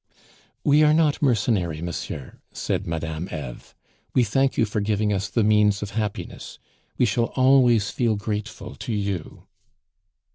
"We are not mercenary, monsieur," said Madame Eve. "We thank you for giving us the means of happiness; we shall always feel grateful to you."